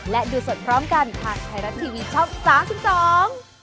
และดูสดพร้อมกันทางไทยรัฐทีวีช่อง๓๒